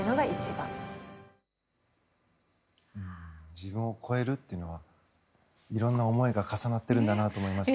自分を超えるっていうのはいろんな思いが重なってるんだなと思いますね。